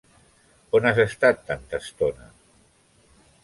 On has estat tanta estona?